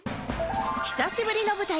久しぶりの舞台